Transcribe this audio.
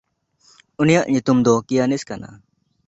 ᱩᱱᱤᱭᱟᱜ ᱧᱩᱛᱩᱢ ᱫᱚ ᱠᱤᱭᱟᱱᱮᱥ ᱠᱟᱱᱟ᱾